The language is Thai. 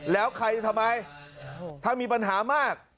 แล้วใครจะทำไมถ้ามีปัญหามาก